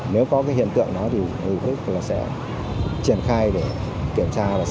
nếu có hiện tượng đó thì chúng tôi sẽ triển khai để kiểm tra